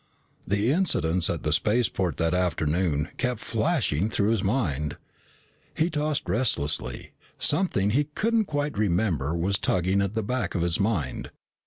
The incidents at the spaceport that afternoon kept flashing through his mind. He tossed restlessly, something he couldn't quite remember was tugging at the back of his mind.